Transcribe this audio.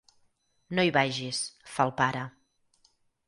No hi vagis —fa el pare—.